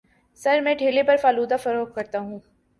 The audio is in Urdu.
سر میں ٹھیلے پر فالودہ فروخت کرتا ہوں